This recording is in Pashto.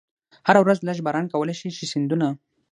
هره ورځ لږ باران کولای شي چې سیندونه.